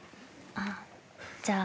あっじゃあ。